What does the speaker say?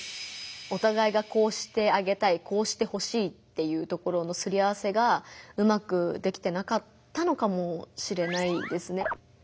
おたがいがこうしてあげたいこうしてほしいっていうところのすり合わせがうまくできてなかったのかもしれないですね。